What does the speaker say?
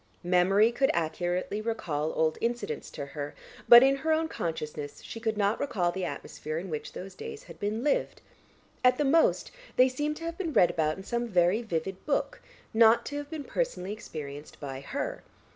Memory could accurately recall old incidents to her, but in her own consciousness she could not recall the atmosphere in which those days had been lived; at the most, they seemed to have been read about in some very vivid book, not to have been personally experienced by her.